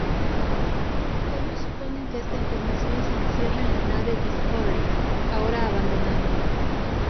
Ellos suponen que esta información se encierra en la nave "Discovery", ahora abandonada.